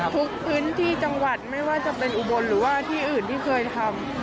ทุกพื้นที่จังหวัดไม่ว่าจะเป็นอุบลหรือว่าที่อื่นที่เคยทำ